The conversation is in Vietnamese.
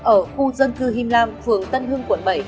ở khu dân cư him lam phường tân hưng quận bảy